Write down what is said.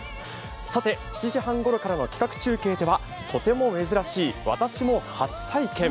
さて７時半ごろからの企画中継ではとても珍しい私も初体験。